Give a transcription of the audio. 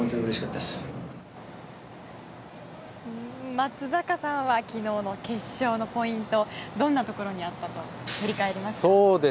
松坂さんは昨日の決勝のポイントはどんなところにあったと振り返りますか？